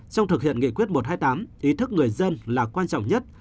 trong thực hiện nghị quyết một trăm hai mươi tám ý thức người dân là quan trọng nhất